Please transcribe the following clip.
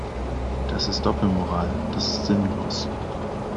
Das ist Doppelmoral, das ist sinnlos.